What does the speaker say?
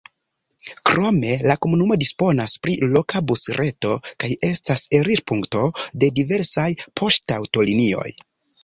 Krome la komunumo disponas pri loka busreto kaj estas elirpunkto de diversaj poŝtaŭtolinioj.